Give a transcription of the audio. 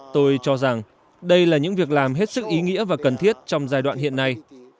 tôi cho rằng đây là những việc làm hết sức ý nghĩa và cần thiết trong giai đoạn hiện nay